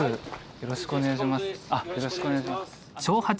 よろしくお願いします。